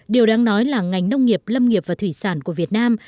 điều đáng nói là ngành nông nghiệp lâm nghiệp và thủy sản của việt nam